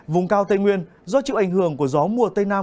vùng cao tây nguyên do chịu ảnh hưởng của gió mùa tây nam